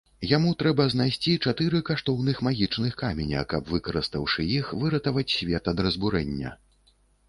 Яму трэба знайсці чатыры каштоўных магічных каменя, каб, выкарыстаўшы іх, выратаваць свет ад разбурэння.